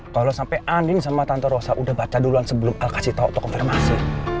kalau sampai andin sama tanto rosa udah baca duluan sebelum kasih tau konfirmasi